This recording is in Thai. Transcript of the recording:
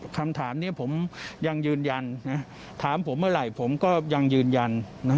คำถามนี้ผมยังยืนยันถามผมเมื่อไหร่ผมก็ยังยืนยัน